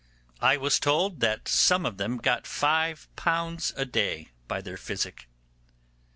And I was told that some of them got five pounds a day by their physic.